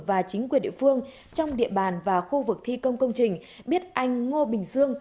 và chính quyền địa phương trong địa bàn và khu vực thi công công trình biết anh ngô bình dương